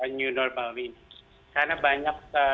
new normal ini karena banyak